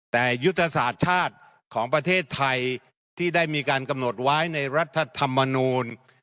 แต่ยุทธศาสตร์ชาติของประเทศไทยที่ได้มีการกำหนดไว้ในรัฐธรรมนูล